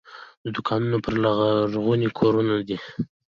د دوکانونو پر لرغوني کورونه دي.